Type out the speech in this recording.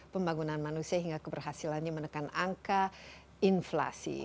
pembangunan manusia hingga keberhasilannya menekan angka inflasi